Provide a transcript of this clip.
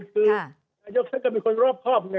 คือนายกท่านก็เป็นคนรอบครอบไง